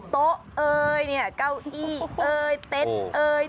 โต๊ะเอ่ยเนี่ยเก้าอี้เอ่ยเต็นต์เอ่ย